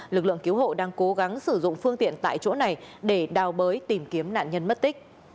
lực lượng cứu hộ đang cố gắng sử dụng phương tiện tại chỗ này để đào bới tìm kiếm nạn nhân mất tích